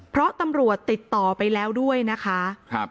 เพราะตำรวจติดต่อไปแล้วด้วยนะคะ